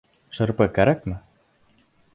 Шырпы кәрәкме?